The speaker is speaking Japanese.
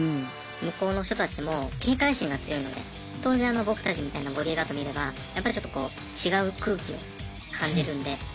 向こうの人たちも警戒心が強いので当然僕たちみたいなボディーガード見ればやっぱりちょっとこう違う空気を感じるんであ